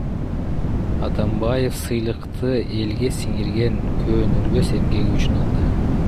Атамбаев сыйлыкты элге сиңирген көөнөрбөс эмгеги үчүн алды.